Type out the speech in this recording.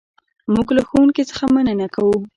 موږ له ښوونکي څخه مننه کوو.